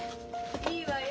いいわよ。